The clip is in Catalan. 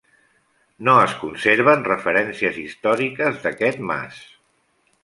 No es conserven referències històriques d'aquest mas.